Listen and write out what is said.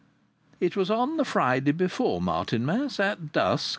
It was on the Friday before Martinmas, at dusk.